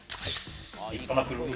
立派な車。